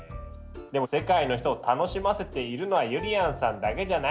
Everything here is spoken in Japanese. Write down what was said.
でも世界の人を楽しませているのはゆりやんさんだけじゃないんですよ